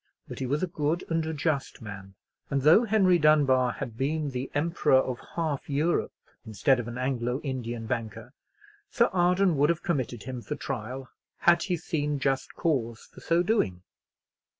But he was a good and a just man; and though Henry Dunbar had been the emperor of half Europe instead of an Anglo Indian banker, Sir Arden would have committed him for trial had he seen just cause for so doing.